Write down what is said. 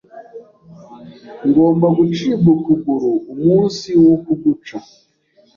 ngomba gucibwa ukuguru, umunsi wo kuguca